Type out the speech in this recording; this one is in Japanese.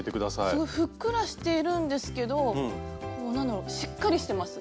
すごいふっくらしているんですけど何だろしっかりしてます。